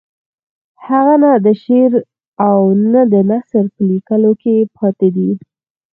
هغه نه د شعر او نه د نثر په لیکلو کې پاتې دی.